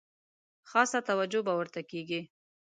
خاصه توجه به ورته کیږي.